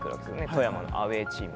富山のアウェーチーム。